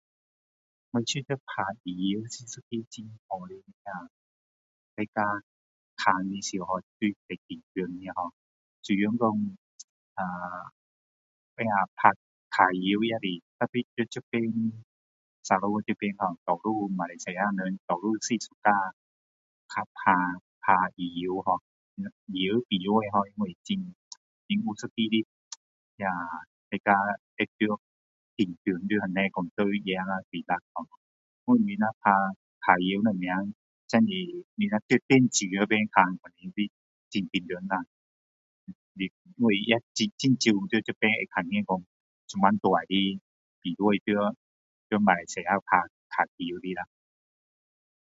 我觉得打羽球是个很好的那，再加看的时候是最紧张的[har]。虽然说啊，那打，打羽球也是，tapi在这边sarawak这边[har]，多数马来西亚那人多数是suka看打，打羽球[har]， 羽球，羽球会好，因为很，很有一个，那大家会在紧张那边讲谁赢几粒[har]。你说像打羽球什么，你如果在现场里边看，很紧张啊，因为也很少在这边看见这么大的机会在马来西亚打，打球的啦！